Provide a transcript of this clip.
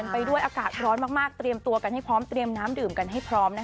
ไปด้วยอากาศร้อนมากเตรียมตัวกันให้พร้อมเตรียมน้ำดื่มกันให้พร้อม